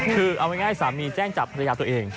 คือเอาง่ายสามีแจ้งจับภรรยาตัวเอง